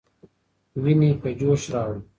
ويني په جوش راوړه.